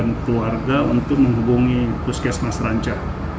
yang membuat istri dan keluarga untuk menghubungi puskesmas ranca